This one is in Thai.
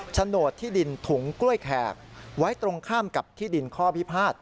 โฉนดที่ดินถุงกล้วยแขกไว้ตรงข้ามกับที่ดินข้อพิพาท